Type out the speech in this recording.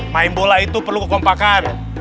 main bola itu perlu kekompakan